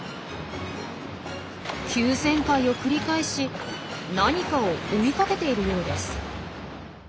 急旋回を繰り返し何かを追いかけているようです。